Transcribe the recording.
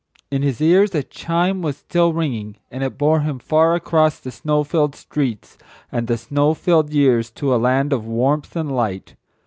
In his ears a chime was still ringing and it bore him far across the snow filled streets and the snow filled years to a land of warmth and light.